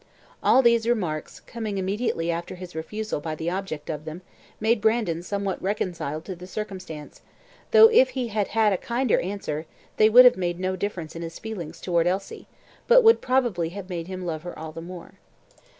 All these remarks, coming immediately after his refusal by the object of them, made Brandon somewhat reconciled to the circumstance, though if he had had a kinder answer, they would have made no difference in his feelings towards Elsie, but would probably have made him love her all the more.